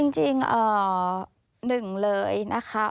จริงหนึ่งเลยนะคะ